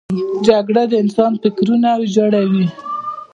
جګړه د انسان فکرونه ویجاړوي